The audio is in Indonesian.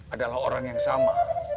adalah orang yang sama